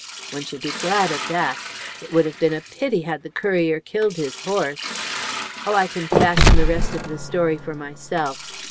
One should be glad of that. It would have been a pity had the courier killed his horse. Oh, I can fashion the rest of the story for myself.